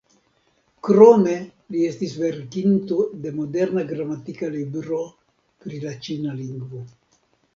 Krome li estis la verkinto de moderna gramatika libro pri la ĉina lingvo.